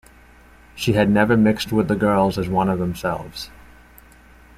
She had never mixed with the girls as one of themselves.